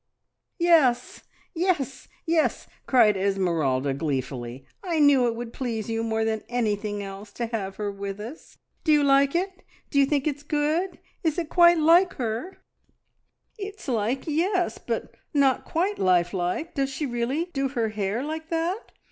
"Yes yes!" cried Esmeralda gleefully. "I knew it would please you more than anything else to have her with us. Do you like it? Do you think it is good? Is it quite like her?" "It's like yes, but not quite lifelike. Does she really do her hair like that?